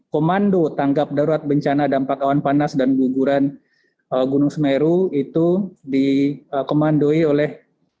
komando tanggap darurat bencana dampak awan panas dan guguran gunung semeru itu dikomandoi oleh